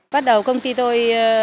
bắt đầu công ty tôi